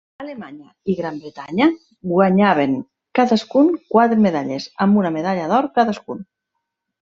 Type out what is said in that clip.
Alemanya i Gran Bretanya guanyaven cadascun quatre medalles amb una medalla d'or cadascun.